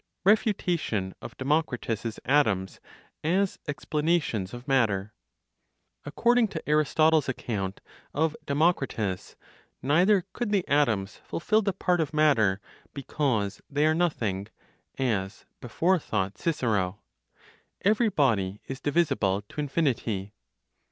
REFUTATION OF DEMOCRITUS'S ATOMS AS EXPLANATIONS OF MATTER. (According to Aristotle's account of Democritus), neither could the atoms fulfil the part of matter because they are nothing (as before thought Cicero). Every body is divisible to infinity.